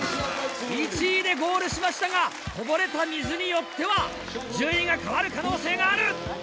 １位でゴールしましたがこぼれた水によっては順位が変わる可能性がある！